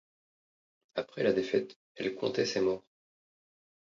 Après la défaite, elle comptait ses morts.